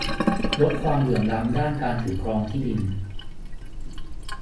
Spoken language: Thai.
ลดความเหลื่อมล้ำด้านการถือครองที่ดิน